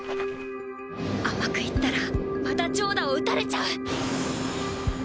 甘くいったらまた長打を打たれちゃう！